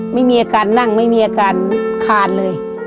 ไม่มีอาการนั่งไม่มีอาการคานเลย